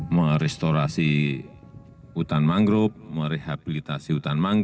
merestorasi hutan mangrove merehabilitasi hutan mangrove